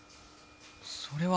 それは。